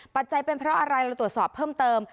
ปัจจัยเป็นเพราะอะไรเราตรวจสอบเพิ่มเติม